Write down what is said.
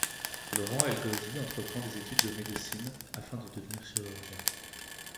Laurent El Ghozi entreprend des études de médecine afin de devenir chirurgien.